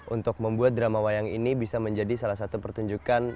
untuk membuat drama wayang ini bisa menjadi salah satu pertunjukan